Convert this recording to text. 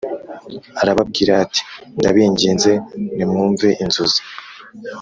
Arababwira ati ndabinginze nimwumve inzozi